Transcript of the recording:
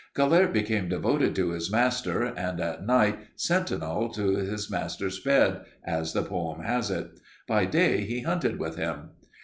Gelert became devoted to his master and at night 'sentinel'd his master's bed,' as the poem has it. By day he hunted with him.